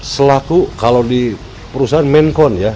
selaku kalau di perusahaan mainkon ya